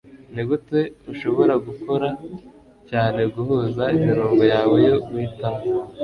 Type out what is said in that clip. Nigute ushobora gukora cyane guhuza imirongo yawe yo guhitamo!